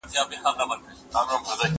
ځای، سرای